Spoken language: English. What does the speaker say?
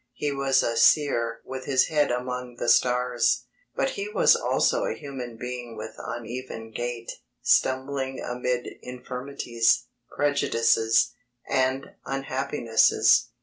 He was a seer with his head among the stars, but he was also a human being with uneven gait, stumbling amid infirmities, prejudices, and unhappinesses.